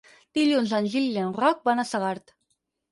Dilluns en Gil i en Roc van a Segart.